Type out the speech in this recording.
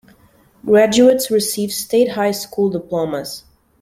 Graduates receive state high school diplomas.